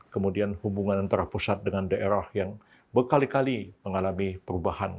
kemudian hubungan antara pusat dengan daerah yang berkali kali mengalami perubahan